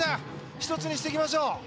一つにしていきましょう。